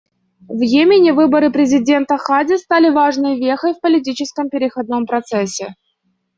В Йемене выборы президента Хади стали важной вехой в политическом переходном процессе.